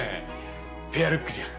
ペアルックじゃん！